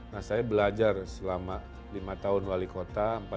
nah saya belajar selama lima tahun wali kota